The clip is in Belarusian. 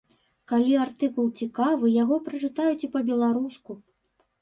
Калі артыкул цікавы, яго прачытаюць і па-беларуску.